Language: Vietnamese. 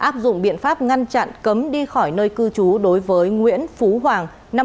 áp dụng biện pháp ngăn chặn cấm đi khỏi nơi cư trú đối với nguyễn phú hoàng